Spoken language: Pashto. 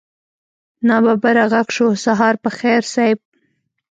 ناببره غږ شو سهار په خير صيب.